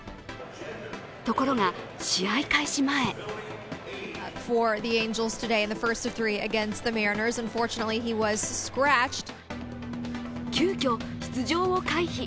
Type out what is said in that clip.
ところが試合開始前急きょ、出場を回避。